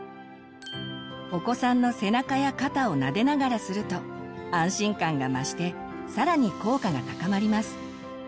お子さんの背中や肩をなでながらすると安心感が増してさらに効果が高まります。